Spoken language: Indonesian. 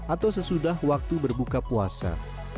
atau sesudah waktu berbuka puasa